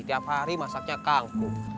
tiap hari masaknya kangkung